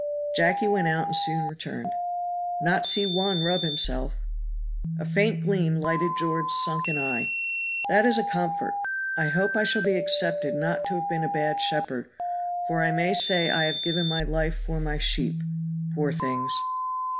Jacky went out and soon returned. "Not see one rub himself." A faint gleam lighted George's sunken eye. "That is a comfort. I hope I shall be accepted not to have been a bad shepherd, for I may say 'I have given my life for my sheep.' Poor things."